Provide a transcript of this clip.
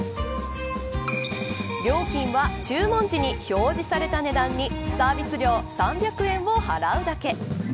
料金は注文時に表示された値段にサービス料３００円を払うだけ。